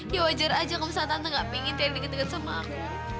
ya wajar aja kalau misalnya tante gak pengen terry deket deket sama aku